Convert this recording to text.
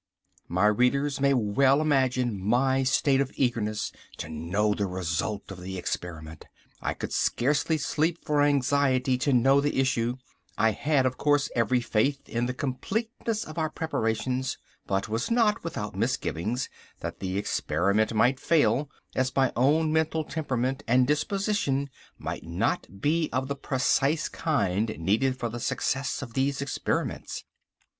My readers may well imagine my state of eagerness to know the result of the experiment. I could scarcely sleep for anxiety to know the issue. I had, of course, every faith in the completeness of our preparations, but was not without misgivings that the experiment might fail, as my own mental temperament and disposition might not be of the precise kind needed for the success of these experiments.